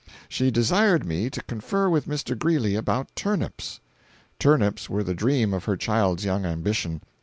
She desired me to confer with Mr. Greeley about turnips. Turnips were the dream of her child's young ambition.